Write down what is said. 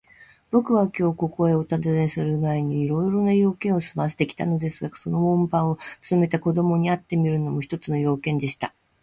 ぼくはきょう、ここへおたずねするまえに、いろいろな用件をすませてきたのですが、その門番をつとめた子どもに会ってみるのも、用件の一つでした。